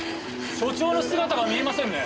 署長の姿が見えませんね。